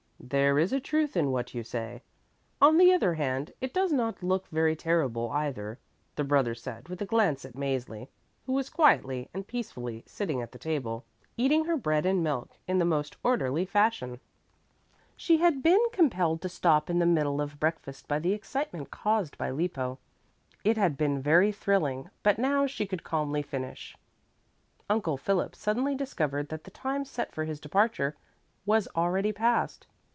"There is a truth in what you say. On the other hand, it does not look very terrible, either," the brother said with a glance at Mäzli, who was quietly and peacefully sitting at the table, eating her bread and milk in the most orderly fashion. She had been compelled to stop in the middle of breakfast by the excitement caused by Lippo. It had been very thrilling, but now she could calmly finish. Uncle Philip suddenly discovered that the tune set for his departure was already past.